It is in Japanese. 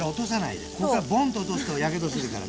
こっからボンと落とすとやけどするから。